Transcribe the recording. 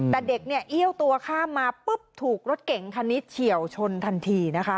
แต่เด็กเนี่ยเอี้ยวตัวข้ามมาปุ๊บถูกรถเก่งคันนี้เฉียวชนทันทีนะคะ